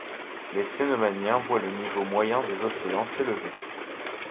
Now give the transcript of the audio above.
Le Cénomanien voit le niveau moyen des océans s’élever.